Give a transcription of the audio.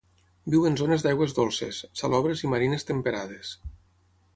Viu en zones d'aigües dolces, salobres i marines temperades.